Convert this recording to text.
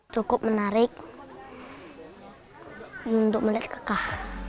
cukup menarik untuk melihat kekah